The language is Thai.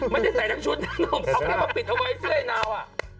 ไม่ได้ใส่ทั้งชุดเอาแค่ปรับปิดเอาไว้เสื้อไอ้นาว